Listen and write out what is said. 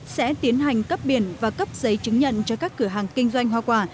sẽ tiến hành cấp biển và cấp giấy chứng nhận cho các cửa hàng kinh doanh hoa quả